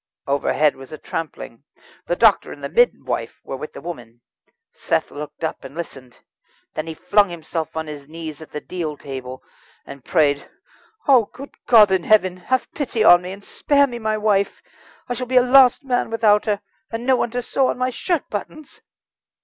Overhead was a trampling. The doctor and the midwife were with the woman. Seth looked up, and listened. Then he flung himself on his knees at the deal table, and prayed: "Oh, good God in heaven! have pity on me, and spare me my wife. I shall be a lost man without her and no one to sew on my shirt buttons!"